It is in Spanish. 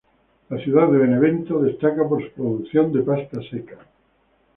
La ciudad de Benevento destaca por su producción de pasta seca.